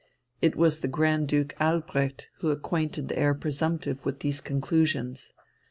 It was the Grand Duke Albrecht who acquainted the Heir Presumptive with these conclusions.